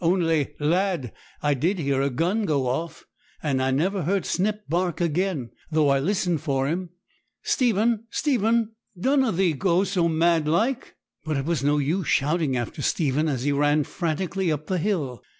'Only, lad, I did hear a gun go off; and I never heard Snip bark again, though I listened for him. Stephen, Stephen, dunna thee go so mad like!' But it was no use shouting after Stephen, as he ran frantically up the hill.